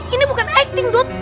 ini bukan acting dot